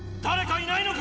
いないのか！